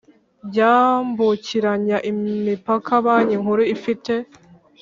byambukiranya imipaka Banki Nkuru ifite